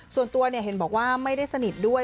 ส่วนตัวเห็นบอกว่าไม่ได้สนิทด้วย